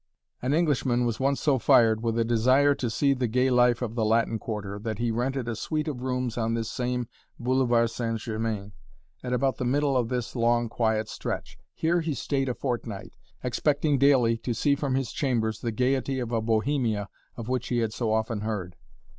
An Englishman once was so fired with a desire to see the gay life of the Latin Quarter that he rented a suite of rooms on this same Boulevard St. Germain at about the middle of this long, quiet stretch. Here he stayed a fortnight, expecting daily to see from his "chambers" the gaiety of a Bohemia of which he had so often heard.